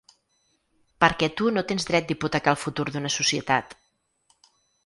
Perquè tu no tens dret d’hipotecar el futur d’una societat.